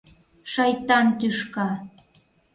— Шайтан тӱшка!